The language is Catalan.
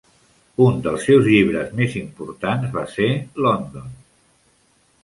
Un dels seus llibres més importants va ser "London".